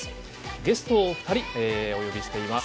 ゲストをお二人お呼びしています。